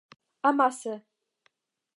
Amase.